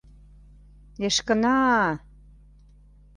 Эшкына-а!